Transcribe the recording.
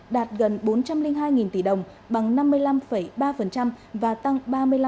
đạt gần bốn trăm linh hai tỷ đồng bằng năm mươi năm ba và tăng ba mươi năm